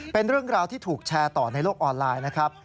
เป็นเรื่องราวที่ถูกแชร์ต่อในโลกออนไลน์นะครับ